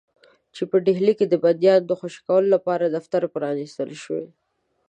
چې په ډهلي کې د بندیانو د خوشي کولو لپاره دفتر پرانیستل شوی.